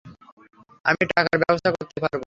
আমি টাকার ব্যবস্থা করতে পারবো।